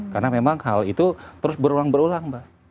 karena memang hal itu terus berulang berulang mbak